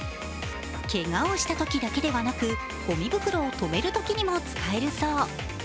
けがをしたときだけではなく、ごみ袋をとめるときにも使えるそう。